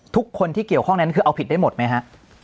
ทุกคนที่เกี่ยวข้องนั้นคือเอาผิดได้หมดไหมฮะ